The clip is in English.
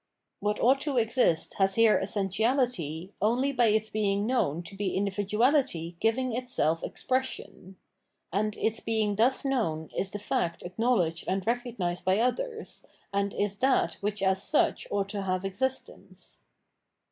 What ought to exist has here essen tiaUty only by its being known to be individuality giving itself expression. And its being thus known is the fact acknowledged and recognised by others, and is that which as such ought to have existence.